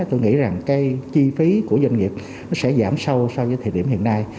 tôi nghĩ rằng chi phí của doanh nghiệp sẽ giảm sâu so với thời điểm hiện nay